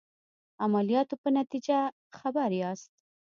عملیاتو په نتیجه خبر یاست.